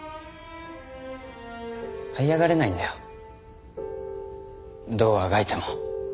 はい上がれないんだよどうあがいても。